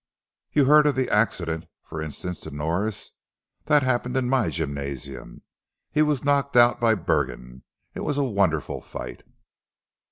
You heard of the accident, for instance, to Norris? That happened in my gymnasium. He was knocked out by Burgin. It was a wonderful fight.